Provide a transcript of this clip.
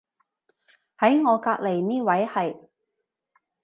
喺我隔離呢位係